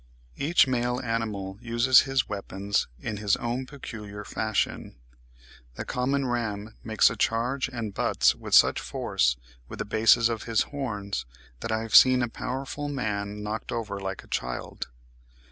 Each male animal uses his weapons in his own peculiar fashion. The common ram makes a charge and butts with such force with the bases of his horns, that I have seen a powerful man knocked over like a child.